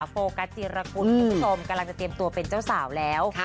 โฟกัสจิรกุลคุณผู้ชมกำลังจะเตรียมตัวเป็นเจ้าสาวแล้ว